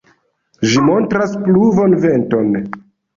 Ĝi montras pluvon venton.